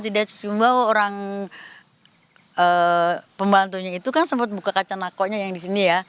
tidak tercium bau orang pembantunya itu kan sempet buka kacang nako nya yang di sini ya